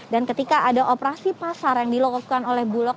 dan ketika ada operasi pasar yang dilakukan oleh bulog